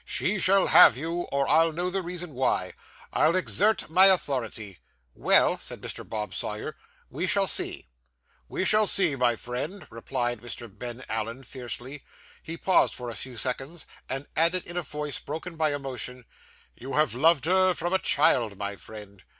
'She shall have you, or I'll know the reason why. I'll exert my authority.' 'Well,' said Mr. Bob Sawyer, 'we shall see.' 'We shall see, my friend,' replied Mr. Ben Allen fiercely. He paused for a few seconds, and added in a voice broken by emotion, 'You have loved her from a child, my friend.